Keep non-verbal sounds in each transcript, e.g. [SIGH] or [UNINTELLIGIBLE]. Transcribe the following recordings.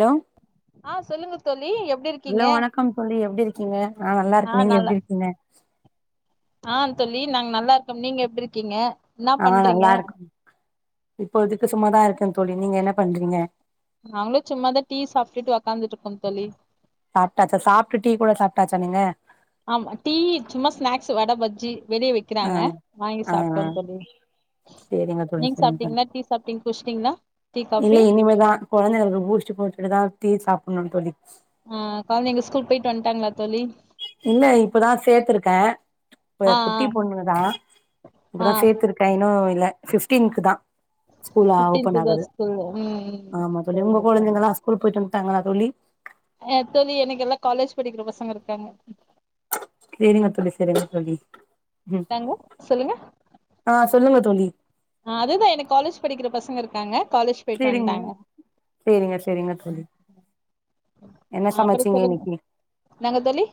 Hello ஆ சொல்லுங்க தோழி எப்டி இருக்கீங்க ஹலோ வணக்கம் தோழி எப்டி இருக்கீங்க நா நல்லா இருக்கே நீங்க எப்டி இருக்கீங்க ஆஹ் தோழி நாங்க நல்லா இருக்கோ நீங்க எப்டி இருக்கீங்க என்னா ஆஹ் பண்றீங்க நல்லா இருக்கோ இப்போதுக்கு சும்மாதா இருக்கே தோழி நீங்க என்ன பண்றீங்க நாங்களு சும்மாதா டீ சாப்டுட்டு ஒக்காந்துட்டு இருக்கோ தோழி சாப்டாச்சா சாப்டடு டீ கூட சாப்டாச்சா நீங்க ஆமா டீ சும்மா ஸ்நாக்ஸ் வட பஜ்ஜி வெளிய விக்கிறாங்க ஆஹ் வாங்கி ஆஹ் சாப்ட்டோ ஆஹ் தோழி செரிங்க தோழி நீங்க செரிங்க தோழி சாப்ட்டீங்களா டீ சாப்ட்டீங் குடிச்ட்டீங்களா டீ இல்ல காஃபி இனிமேதா கொழந்தைகளுக்கு பூஸ்ட் போட்டுட்டு தா டீ சாப் பண்ணணு தோழி ஆஹ் கொழந்தைங்க ஸ்கூல் போயிட்டு வன்டாங்களா தோழி இல்ல இப்பதா சேத்திருக்கே இப்ப ஆ குட்டி பொண்ணுங்கதா ஆ ஆ இப்பதா சேத்திருக்கே இன்னு இல்ல ஃபிப்டினுகு தா ஸ்கூலா ஓபன் ஃபிப்டீன்த்துதா ஆகுது ஸ்கூல் ம் ம் ஆமா தோழி உங்க சரிங்க கொழந்தைகளா ஸ்கூல் போயிட்டு வந் தங்களா தோழி அ தோழி எனக்கு எல்லா காலேஜ் படிக்கிற பசங்க இருக்காங்க சேரிங்கத் தோழி செரிங்க தோழி உம் இந்தாங்க ஆ சொல்லுங்க தோழி அ அதுதா எனக்கு காலேஜ் படிக்கிற பசங்க இருக்காங்க காலேஜ் போயிட்டு சேரிங்க வந்ட்டாங்க சேரிங்க சேரிங்க தோழி என்ன அ அப்றோ சமைச்சீங்க சொல்லுங்க இன்னைக்கி என்னாங்க தோழி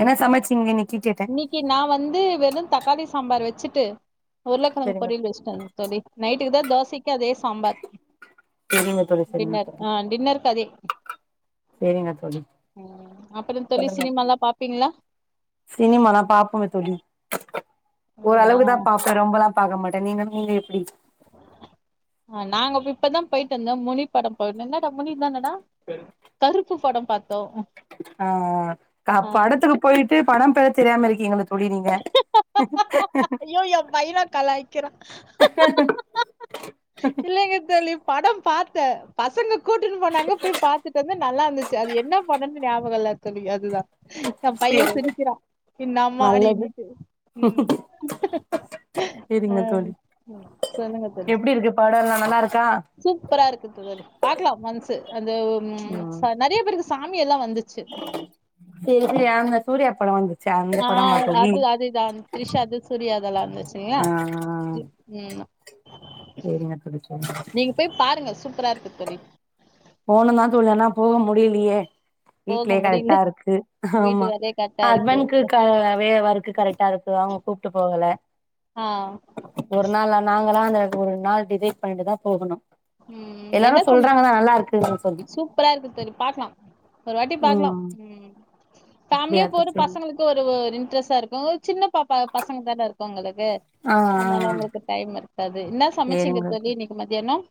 என்ன சமைச்சீங்க இன்னைக்கி கேட்டே இன்னைக்கு நா வந்து வெறு தக்காளி சாம்பார் வச்சுட் டு உருளகெழங்கு சேரிங்க பொரியல் வச்சிட்டே தோழி நைட் க்குதா தோசைக்கு அதே சாம்பார் சேரிங்க தோழி சேரிங்க டின்னர் ஆ டின்னருக்கதே செரிங்க தோழி அப்புறோ தோழி [UNINTELLIGIBLE] சினிமாலா பாப்பீங்களா சினிமாலா பாப்பங்க தோழி இல்லைங்களா ஓரளவுக்தா பாப்பே ரொம்பெலா பாக்க மாட்ட நீங்க நீங்க எப்டி அஹ் நாங்க போ இப்பதா போயிட்டு வந்தோ முனி படம் பா என்னடா முனி தானடா கருப்பு படம் பாத் ஆஹ் கா படத்துக்கு போயிட்டு படம் பேரு தெரியாம இருக் எங்களது தோழி நீங்க ஐயோ எ பையனு கலாய்க்கிறா இல்லைங்க தோழி படம் பாத் த பசங்க கூட்டுன்னு போனாங்க போய் பாத்துட்டு வந்த நல்லா இருந்துச்சு அது என்ன படனு நியாபகம் இல்ல தோழி அதுதா எ பைய சேரிங்க சிரிக்கிறா என்னமா நல்லது அடின்னுட்டு ம் சேரிங்க அ சொல்லுங்க தோழி பட என்ன நல்லாருக் சூப்பரா இருக் க்கு [UNINTELLIGIBLE] பாக்கலா மன்சு அந்த ம் ச நெறைய பேருக்கு சாமி எல்லாம் வந் சரி [UNINTELLIGIBLE] சூர்யா பலவாங்கு ஆவ் அது அதுதான் த்ரிஷா அது சூர்யா அதெல்லாம் வந்துச்சுல்லயா உம் செரிங்க தோழி செரிங்க [INAUDIBLE] பரா இருக்கு தோழி போணும் தான் தோழி ஆன போக முடியலையே போக வீட்லயே முடியல கரெக்டா இருக்கு வீட்டு ஆமா வேலையே கரெக்டா இருக்கு ஹஸ்பண்ட்க்கு கா வேல ஒர்க் கரெக்டா இருக்கு அவங்க கூப்டு போகல ஆ ஒரு நாள்னா நாங் [UNINTELLIGIBLE] ஒரு நாள் டிசைட் பண்ணிட்டு தா போகணு ம் எல்லாரு என்ன சம சொல்றாங்க நல்லா இருக்கு சூப்பரா இருக்கு தெரி பாக்கலாம் ஒரு வாட்டி பாக்கலாம் ம் உம் ஃபேமிலிய அப்டியா போய்ட்டு சேரி பசங்களுக்கு ஒரு ஒரு இன்ட்ரெஸ்ட்டா இருக்கும் சின்ன பாப்பா பசங்க தானே இருக்காங்கலே வே ஆ அதனால ஆ உங்களுக்கு டைம் இருக்கு அது என்ன சமச்சீங்க தோழி இன்னைக்கு மத்தியானம்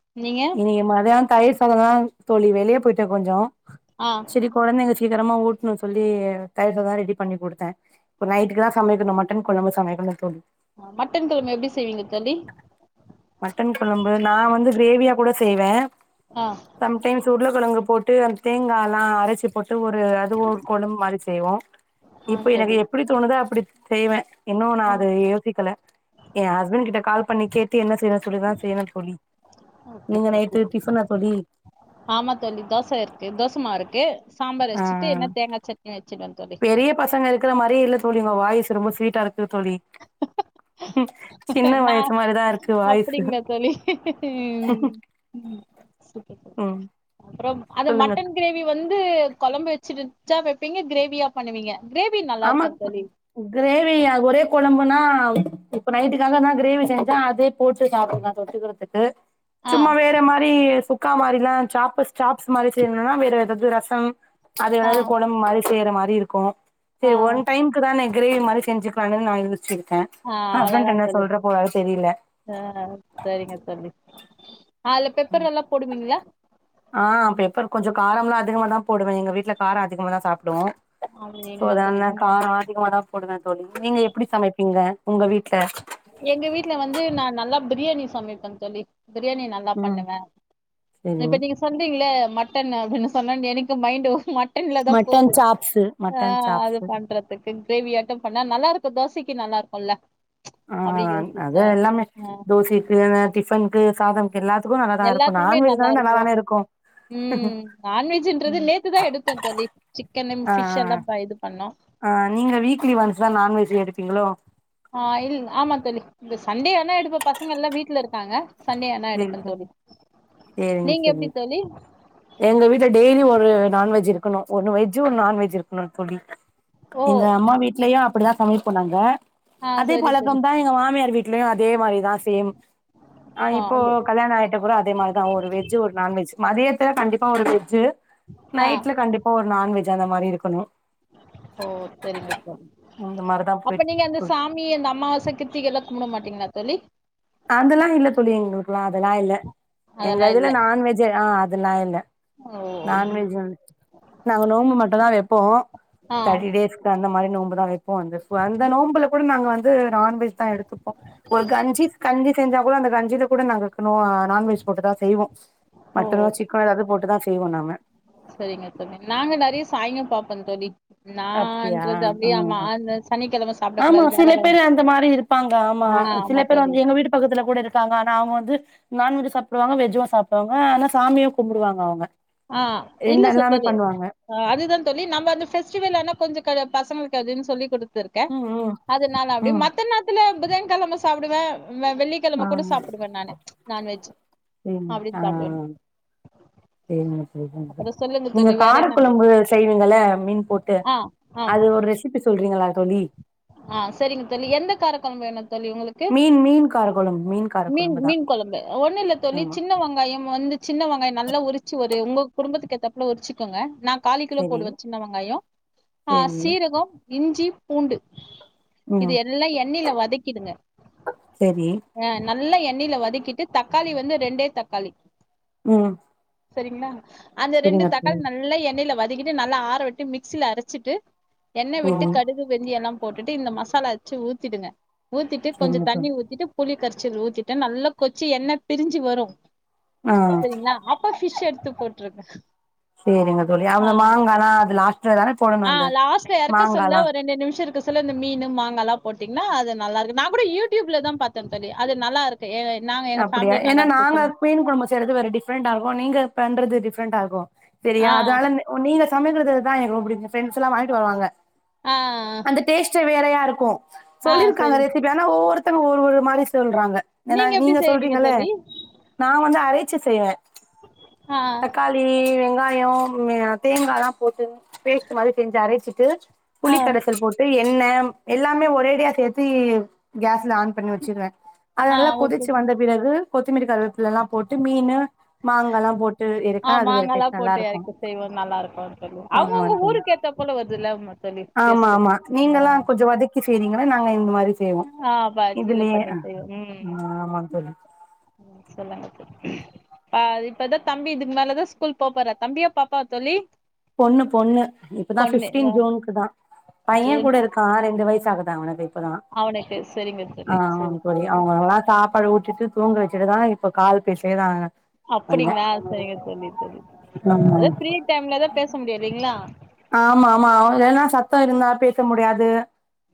இன்னைக்கி மதியானோ தயிர் சாதந்தா தோழி வெளிய போயிட்ட கொஞ்சோ ஆ செரி கொழந்தைங்க பீல் சீக்கிரமா ஊட்னும் சொல்லி தயிர் சாதம் தான் ரெடி பண்ணி கொடுத்தேன் இப்ப நைட்டுக்கு தான் சமைக்கணும் மட்டன் குழம்பு சமைக்கணும் தோழி ஆ, மட்டன் கொழம்பு எப்டி செய்வீங்க தோழி மட்டன் குழம்பு நான் வந்து கிரேவியா கூட செய்வேன் ஆ சம்டைம்ஸ் உருள கழங்கு போட்டு அந்த தேங்காலா அரச்சி போட் அது ஒரு அது ஒரு கொழம்பு மாறி வெச் செய்வோம் ஆ இப்ப எனக்கு தோழி எப்படி தோணுதா அப்படி செய்வேன் இன்னோ நான் ஆ அது யோசிக்கல என் ஹஸ்பண்ட் கிட்ட கால் பண்ணி கேட்டு என்ன செய்யணு சொல்லிதான் செய்யன்னு தோழி ஓகே நீங்க நைட்டு தோழி டிபன்னா படி ஆமா தோழி தோச இருக்கு தோசமா இருக்கு சாம்பார் ஆ வச்சுட்டு என்ன தேங்கா சட்னியும் வச்சுிடுவேன் தோழி க்குற மாறியே இல்ல தோழி உங்க வாய்ஸ் ரொம்ப ஸ்வீட்டா இருக் க்கு தோழி சின்ன நா வயசு மாறிதான் இருக்கு வாய்சு அப்டிங்களா தோழி ம் சூப்பர் தோழி உம் அப்புறம் அது மட்டன் கிரேவி வந்து த்து கொழம்பு வச்சுருச்சா வைப்பீங்க கிரேவியா பண்ணுவீங்க கிரேவி நல்லா ஆமா இருக்கும் தோழி கிரேவி ஆ ஒரே கொழம்ப் னா இப்ப நைட்டுக்கு னால தான் கிரேவி செஞ்சன் அதே போட்டு சாப்பிடுங்க தொட்டுக்குறதுக்கு ஆ சும்மா வேற மாரி சு க்கா மாரிலாம் சாப்புஸ் சாப்ஸ் மாரி செய்யணும்னா வேற ஏதாவது ரசம் அது ஆ எதவது குடம் மாதிரி செய்யற மாதிரி இருக்கு ஆ செரி ஒன் டைம்க்கு தானே கிரேவி மாரி செஞ்சுக்கலானு நான் எந்திரிச்சது ஆஹ் அவ்ள தான் தோழி தெரியல ஆஹ் செரிங்க தோழி ஆஹ் அத்ல பெப்பர் நல்லா போடுவீங்களா ஆஹ்ன் பெப்பர் கொஞ்சோ காரம்லாம் அதிகமா தான் போடுவேன் எங்க வீட்டுல காரம் அதிகமா தான் சாப்டுவோ அப்டிங்களா தோழி சோதான்ன ம் காரோ அதிகமா தான் போடுவே தோழி, நீங்க எப்டி சமைப்பிங்க? எங்க வீட்டு்ல வந்து நான் நல்லப் பிரியாணி சமைப்பே தோழி பிரியாணி நல்லா ம் பண்ணுவே ம் இப்ப நீங்க சொல்றீங்களே மட் மட்டான் அப்படின்னு சொன்ன [UNINTELLIGIBLE] மைண்ட் மட்டன்ல தா மட்டன் போது சாப்ஸீ மட்டன் சாப்ஸு கிரேவி யாட்டம் பண்ணா நல்லாருக்கு தோசைக்கு நல்லாருக்கு ல்ல ஆஹ் அது எல்லாமே, தோசைக்கு, டிஃபன் க்கு சாதம். எல்லாத்துகுமே நல்லா இருக்கும். இருக்கு உம். நான்வெஜன்றது நேத்துதான் எடுத்தோ தோழி சிக்கன ஃபிஷ் எல்லாம் ப்ப இது பண்ணோம். ஆஹ். நீங்க வீக்லி ஒன்ஸ் தான் நான்வெஜ்ல எடுப் ங்கள ஆஹ் இல் ஆமா தோழி திஸ் சண்டேனா எடுப்ப. பசங்க எல்லாம் வீட்ல இருக்காங்க. சண்டே ஆனா செரி எடுப்பே செரி. தோழி செரி நீங்க செரி. எப்டி தோழி எங்க வீட்ல டெய்லி ஒர்த் ஒரு நான்வெஜ் இருக்கணும். ஒன்னு வெஜ்ஜு, ஒரு நான்வெஜ் இருக்கணுன்னு தோழி. ஓ எங்க அம்மா வீட்லயு அப்படிதான் சமைப் போனாங்க. ஆ அதே சரி தோழி பழக்கம் தான், எங்க மாமியார் வீட் யும் அதே மாரிதான். சேம். ஆ இப் இப்போ கல்யாணொ ஆயிட்டப்றொ அதே மாரிதா ஒரு வெஜ்ஜு ஒரு நான் வெஜ்ஜு மதியத் ட கண்டிப்பா ஒரு வெட்ஜூ ஆ நைட்ல கண்டிப்பா ஒரு நான் வெ ஜு அந்த மாரி இருக்கணு ஓ செரிங்கப்பா அந்த மாரிதா அப்ப போயிட்டு நீங்க அந்த தோழி சாமி அந்த அம்மாவாச கிருத்திகல்லா கும்ப்ட மாட்டீங்ளா தோழி அதெல்லா இல்ல தோழி எங்ளுக்குல்லா அதெல்லா இல்ல எங்க அதெல்லா இதுல இல்ல நான்வெஜ்ஜு ஆ அதுனா இல்ல ஓ நான்வெஜ் வந் நாங்க நோம்பு மட்டுந்தா வெப்போ ஆ தேட்டி டேஸ்க்கு அந்த மாரி நோம்பு தாலவெப்போ வந்து அந்த நோம்புல கூட நாங்க வந்து நான் வெஜ் தா எடுத்துப்போ ஒரு கஞ்சி கஞ்சி செஞ்சா கூட அந்தக் கஞ்சில கூட நாங்க தெனோ நான்வெஜ் போட்டுதா செய்வோ ஓ மட்டனோ சிக்கனோ எதாது போட்டுதா செய்வோ நாம போ தோழி அப்டியா நான்றது அப்டியே ஆஹ் ஆமா ஆஹ் அந்த சனிக்கெழம சாப்டக் ஆமா கூடாது சில வியாழக்கெழம பேரு அந்த மாரி இருப்பாங்க ஆமா ஆ சில ஆமா பேர் தோழி வந்து எங்க வீட்டு பக்கத்துல கூட இருக்காங்க ஆனா அவுங்க வந்து நான்வெஜு சாப்டுவாங்க வெஜு சாப்டுவாங்க ஆனா சாமியு கும்புடுவாங்க அவுங்க ஆஹ் இல்ல சொ தோழி அ அதுதா தோழி நம்ம அந்த ஃபெ ஸ்டிவலானா கொஞ்சொ க பசங்களுக்கு அதுன்னு சொல்லி குடுத் த்ருக்க ம் ம் அதுனால அப்டி ம் மத்த நேரத்துல புதன் கெழம சாப்டுவ உம் வெ ஆ வெள்ளிக்கெழம கூட சாப்புடுவ நானு நான்வெஜ் சரிங்க அப்டின் ஆ சாப்டுவ சரிங்க நீங்க கார கொழம்பு செய்வீங்கள மீன் ஆ அது ஒரு ரெசிபி சொல் றீங்களா தோழி ஆஹ் செரிங்க தோழி எந்த காரக்கொழம்பு வேணு தோழி உங்களுக்கு மீன் மீன் காரக்குழம்பு மீன் காரக்குழம்பு தான் மீன் கொழம்பு ஒன்னு இல்ல தோழி ஆமா சின்ன வெங்காயம் வந்து சின்ன வெங்காயம் நல்ல உரிச்சி ஒரு உங்க குடும்பத்துக்கேத்தாப்புல உரிச்சிக்கோங்க நாங் காலு கிலோ சரி போடுவ சின்ன வெங்காயோ ஆஹ் சரி சீரகொ இஞ்சி பூண்டு இது ம் எல்லா எண்ணெயில வதக்கிடுங்க சரி ஆ நல்லா எண் ணைல வதக்கிட்டு தக்காளி வந்து ரெண்டே தக்காளி உம் செரிங்ளா அந்த ரெண்டு தக்காளி நல்லா எண்ணெய்ல வ [UNINTELLIGIBLE] கிட்டு நல்லா ஆற வெச்சு மிக்சியில அரச்சிட்டு எண்ணெ சரி விட்டு கடுகு வெந்தியம் எல்லாம் போட்டுட்டு இந்த மசாலா அரச்சு ஊத்திடுங்க ஊத்திட்டு கொஞ்சோ சரிங்க தோழி தண்ணி ஊத்திட்டு புளி கரைச்சல் ஊத்திட்டா நல்லா கொதிச்சி எண்ணெய் பிரிஞ்சு வரும் ஆ செரிங்களா அப்போ பிஷ் எடுத்து போட்ருங்க சேரிங்க தோழி ஆ அவங்க மாங்கா எலாம் அது லாஸ்ட தானே போடணும் ஆ அந்த லாஸ்ட்ல எறக்க மாங்கா சொல்ல எலாம் ஒரு ரெண்டு நிமிஷோ இருக்க சொல்ல இந்த மீனு மாங்கா எல்லாம் போட்டீங்கன்னா அது நல்லா இருக்கு நா கூட யூடியூப்ல தான் பாத்தேன் தோழி அது நல்லாக்கு ஏ அப்படியா ஏன்னா நாங்க மீன் கொழம்பு செய்யறது வேற டிஃப்ரெண்டா இருக்கும் நீங்க பண்றது டிஃப் டிஃப்ரண்டா இருக்கோ ஆ செரியா அதனால ஓ நீங்க சமைக்கறது இதா ரொம்ப புடிக்கும் பிரெண்ட்ஸ் எல்லா வாங்கிட்டு வருவாங்க ஆ அந்த டேஸ்டே வேறையாருக் கு ஆ சொல்லிருக்காங்க சரிங்க ரெசிப்பி ஆனா ஒவ்வொரு த்தர் ஒரு ஒரு மாரி சொல்றாங்க ஏனா எப்டி நீங்க செய்வீங்க சொல்றிங்கள தோழி நா வந்து அரை ச்சு செய்வே ஆ தக்காளி வெங்கா யோ தேங்காலா போட்டு பேஸ்ட் மாரி செஞ்சு அரைச்சிட் டு ஆ புளி கரசல் போட்டு எண்ணெ எல்லாமே ஒரேடியா சேத்தி கேஸ் ல ஆன் பண்ணி வெச்சிருவே அது ஆ நல்லா ஓகே கொதிச்சு தோழி வந்த பிறகு கொத்துமுலி கருவேப்பிலலா போட்டு மீனு மாங்கால்லா போட்டு எடுக்க ஆ அது வேற மாங்காலா டேஸ்ட் நல்லா போட்டு இருக்கு எறக்கி செய்வோ நல்லாருக்கு தோழி ஆமா அவங்கவுங்க தோழி ஊருக்கு ஏத்தா போல வருதுல்ல ம் தோழி ஆமா டேஸ்ட்டு ஆமா ஆ நீங்கல்லா கொஞ்சோ வதக்கி செய்றீங்களா நாங்க இந்த மாரி செய்வோ பா இது இதுலயே பண்ணி ஆ செய்வோ ம் ஆமா தோழி அ இப்பதா தம்பி இதுக்கு மேலதா ஸ்கூல் போ போறாரு, தம்பியா? பாப்பாவா? தோழி பொண்ணு பொண்ணு இப்பதா பொண்ணு பிஃப்டீன் ஆ, ஜூன்க்கு தா பைய ஜூன் கூட ஃபிஃப்த் இருக்க ரெண்டு வயசு ஆகுது தா அவனபோய் இப்பதா, அவனுக்கு சரிங்க தோழி சரி ஆமாப்பாடி தோழி அவங்களுக்ல்ல சாப்பாடு ஊட் விட்டுட்டு தூங்க வச்சிட்டுதா இப்ப கால் பேசவேதாங்க அப்புடிங்களா சரிங்க தோழி, தோழி அதா ஆமாங்க ஃபிரீ டைம்லதா பேச முடியு இல்லைங்களா ஆமா ஆமா, என்னா சத்தம் இருந்த பேச முடியாது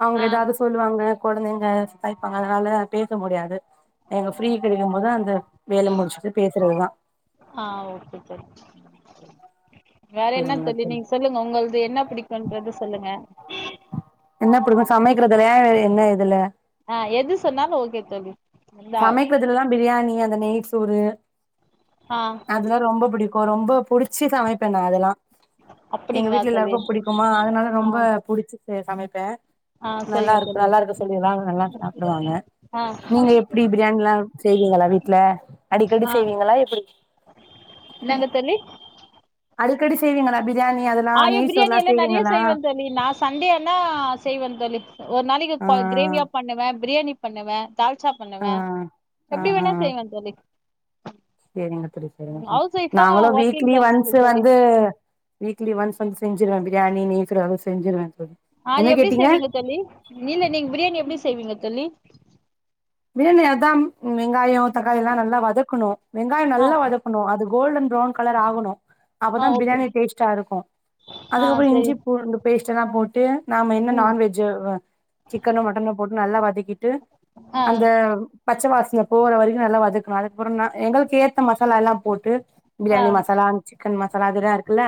அவங்க ஆ ஏதாது சொல்லுவாங்க கொழந்தைங்க ஸ்கைப்பாங்க அதனால பேச முடியாது ஏங்க ஃப்ரீ கெடைக்கும்போதுதா அந்த வேல முடிச்சுட்டு பேசுறதுதா ஆ ஓகே தோழி வேற என்னா தோழி, நீங்க சொல்லுங்க உங்களது என்ன பிடிக்குன்றத சொல்லுங்க என்ன புடிக்கு, சமைக்கிறதுலயா வேற என்ன எதுல? ஆ எது சொன்னாலு ஓகே தோழி இந்தா சமைக்கறதுலதா பிரியாணி நீ அந்த நெய் சோறு ஆ அதெலா ரொம்ப புடிக் கு ரொம்ப புடிச் சு சமைப்பே நா அதுலா எங்க அப்டிங்களா வீட்ல தோழி எல்லாருக்கு புடிக்குமா அதனால ஆ ரொம்ப புடிச்சி சமைப்பே ஆ சரிங்க நல்லாருக்கு தோழி நல்லாருக்கு சொல்லிலா நல்லா சாப்டுவாங்க ஆ நீங்க எப் எப்டி பிரியாணிலா செய்விங்களா வீட்ல அடிக்கடி ஆ செய்விங்களா எப்பிடி என்னங்க அடிக்கடி செய்விங்களா அய்யோ பிரியாணிலா நெறைய செய்வே தோழி நா சண்டே ஆன செய்வந் தோழி ஒரு நாளைக்கு ஆ ப கிரேவியா பண்ணுவே பிரியாணி பண்ணுவ தால்ச்சா ஆ பண்ணுவே ஆ எப்டி ஆ வேணா செய்வே தோழி சேரிங்க தோழி செரிங்க தோழி ஹவுஸ் ஒய்ஃபா நாங்களு வீக்லி ஒர்க்கிங்கா ஒன்ஸ் தோழி வந்து வீக்லி ஒன்ஸ் செஞ்சுருவே பிர்யாணி நெய் சோறு ஒரளவுக்கு செஞ்சுருவே அது எப்டி செய்விங்க தோழி இல்ல நீங்க பிரியாணி எப்டி செய்விங்க தோழி பிரியாணி அதா வெங்காயோ தக்காளில நல்லா வதக்கணு வெங்காயோ ஆ நல்லா வதகனூ வதக்கணு அது கோல்டன் புரோவுன் கலர் ஆகணு ஆ அப்பதா ஓகே பிராணி டேஸ்ட்டா இருக்கு ஆ அதுக்கப்புரோ சரி இஞ்சி பூண்டு பேஸ்ட் ஞ்லா போட்டு நாம என்ன ம் நான்வெஜ் வ்வு சிக்கனு மட்டன்னுல போட்டு நல்லா வதக் தகிட்டு ஆ அந்த பச்ச வாசன போவாத வரைக்கு நல்லா வதக்கு அதுப்புரோன எங்களுக்கு ஏத் மசாலா ல போட்டு ஆ பிரியாணி மசலா சிக்கன் மசலா அதுல இருக்குல்ல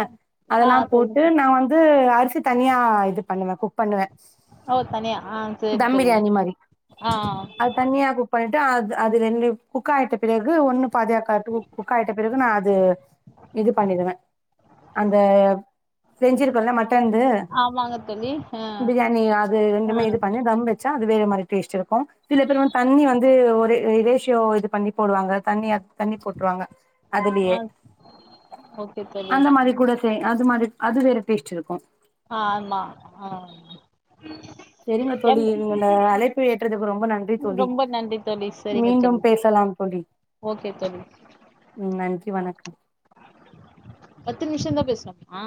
ஆ அதுல சரிங்க போட்டு தோழி நா வந்து அரிசி க் தனியா இது பண்ணுவே குக் பண்ணுவே ஓ தனியா ஆ சேர் தம் செரி பிரியாணி மாரி ஆ ஆ அது தனியா குக் பண்ணிட்டு அது அதுல ரெண்டி குக் ஆயிட்ட பிறகு ஒன்னு பாதியா கட்ங் குக்கயிட்ட பிறகு நான் அது இது பண்ணிர்வேன் அந்த செஞ்சிருக்கோல மட்டன்து ஆமாங்க தோழி ஆ பிரியாணி அது ஆ ரெண்டுமே இது பண்ணி தம் வச்சு ச்ச அது வேற மாறி டேஸ்ட் இருக்கு சில பேர் வந்து தண்ணி வந்து ஒரு இதே சோ இத பண்ணி போடுவாங்க தண்ணி அ தண்ணி போட்டுருவாங்க அதுலயே ஆ ஓகே தோழி அந்த மாரி ம் கூட செய் அது மாரி அது வேற டேஸ்ட் இருக்கு ஆ ஆமா ஆ செரிங்க தோழி எங் நீங்க இந்த அழைப்ப ஏற்றதுக்கு ரொம்ப நன்றி தோழி ரொம்ப நன்றி தோழி சரிங்க மீண்டும் தோழி பேசலாம் தோழி ஓகே தோழி ம் நன்றி வணக்கம் பத்து நிமிஷந்தா பேசணுமா